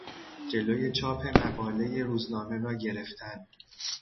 جلو چاپ مقالهی روزنامه را گرفتن